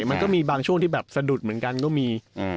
มันก็มีบางช่วงที่แบบสะดุดเหมือนกันก็มี